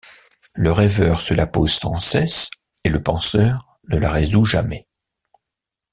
Le rêveur se la pose sans cesse, et le penseur ne la résout jamais.